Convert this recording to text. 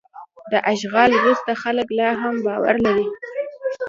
د اشغال وروسته خلک لا هم باور لرل.